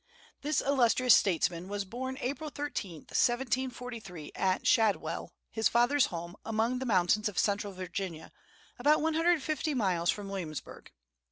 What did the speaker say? This illustrious statesman was born April 13, 1743, at "Shadwell," his father's home, among the mountains of Central Virginia, about one hundred and fifty miles from Williamsburg.